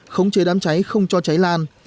khống chế đám cháy không cho cháy lan